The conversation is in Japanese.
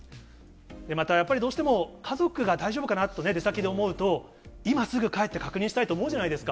また、やっぱりどうしても家族が大丈夫かなと出先で思うと、今すぐ帰って確認したいと思うじゃないですか。